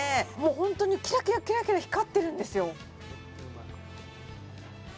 ホントにキラキラキラキラ光ってるんですよ